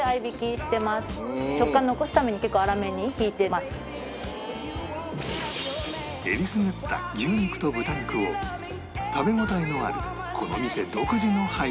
もちろん選りすぐった牛肉と豚肉を食べ応えのあるこの店独自の配合で